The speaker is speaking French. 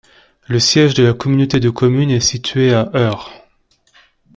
Le siège de la communauté de communes est situé à Eurre.